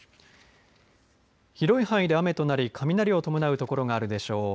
広い範囲で雨となり雷を伴う所があるでしょう。